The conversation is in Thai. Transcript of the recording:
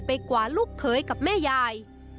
กว่าลูกเขยกับแม่ยาย